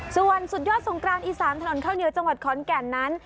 ส่วนสุดยอดสงกรานอีสานถนนข้าวเหนียวจังหวัดขอนแก่นนั้น